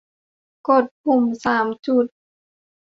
กดปุ่มสามจุด